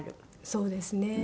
そうですね。